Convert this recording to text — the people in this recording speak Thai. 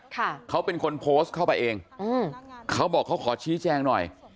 ค่ะเขาเป็นคนโพสต์เข้าไปเองอืมเขาบอกเขาขอชี้แจงหน่อย